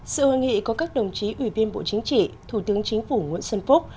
sự hội nghị có các đồng chí ủy viên bộ chính trị thủ tướng chính phủ nguyễn xuân phúc